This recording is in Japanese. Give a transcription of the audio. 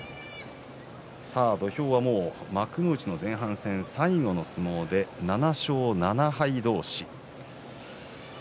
土俵は、幕内前半戦最後の相撲で７勝７敗同士です。